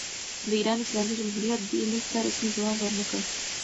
د ایران اسلامي جمهوریت دې لیک ته رسمي ځواب ور نه کړ.